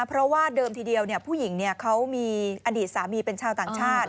เพราะว่าเดิมทีเดียวผู้หญิงเขามีอดีตสามีเป็นชาวต่างชาติ